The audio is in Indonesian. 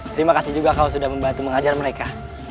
terima kasih juga kalau sudah membantu mengajar mereka